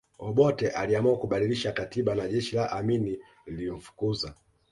Obote aliamua kubadilisha katiba na jeshi la Amini lilimfukuza